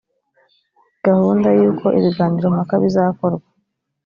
gahunda y’ uko ibiganirompaka bizakorwa